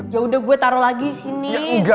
ya udah gue taruh lagi sini